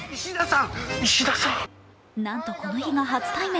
なんと、この日が初対面。